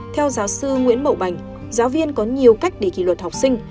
theo giáo sư nguyễn mậu bành giáo viên có nhiều cách để kỷ luật học sinh